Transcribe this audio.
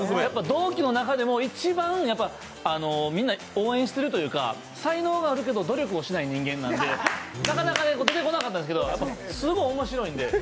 同期の中でも一番、みんな応援しているというか、才能があるけど、努力をしない人間なんで、なかなか出てこなかったんですけど、すごい面白いんで。